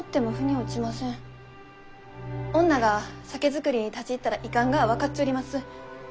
女が酒造りに立ち入ったらいかんがは分かっちょります。